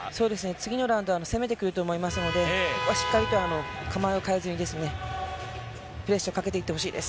次のラウンドは攻めてくると思いますのでここはしっかりと構えを変えずにプレッシャーをかけていってほしいです。